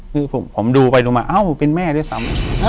คือผมดูไปดูมาเอ้าเป็นแม่ด้วยซ้ำ